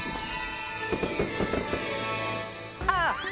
ああ